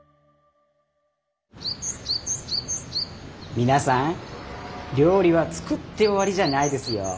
皆さん料理は作って終わりじゃないですよ。